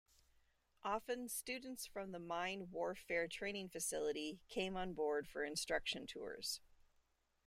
Often students from the Mine Warfare Training Facility came on board for instruction tours.